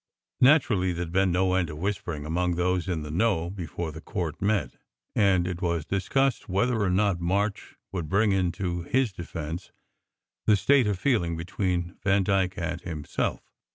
"Naturally there d been no end of whispering among those in the know before the court met; and it was discussed whether or not March would bring into his defence the state of feeling between Vandyke and himself.